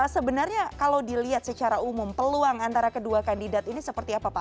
sebenarnya kalau dilihat secara umum peluang antara kedua kandidat ini seperti apa pak